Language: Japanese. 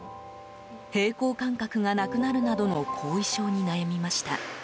平衡感覚がなくなるなどの後遺症に悩みました。